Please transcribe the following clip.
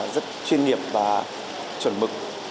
rất chuyên nghiệp và chuẩn mực